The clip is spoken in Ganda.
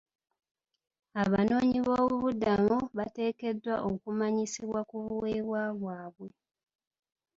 Abanoonyiboobubudamu bateekeddwa okumanyisibwa ku buweebwa bwabwe..